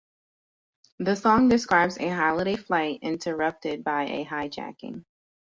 The song describes a holiday flight interrupted by a hijacking.